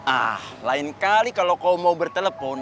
ah lain kali kalau kau mau bertelepon